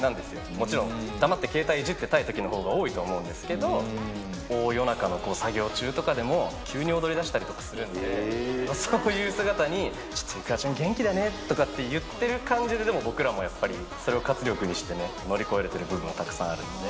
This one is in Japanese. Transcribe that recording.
もちろん、黙って携帯いじってたいときのほうが多いと思うんですけど、大夜中の作業中とかでも、急に踊りだしたりとかするんで、そういう姿に、ちょっと、ｉｋｕｒａちゃん、元気だねとかって言ってる感じで、でも僕らもやっぱり、それを活力にしてね、乗り越えてる部分もやっぱあるので。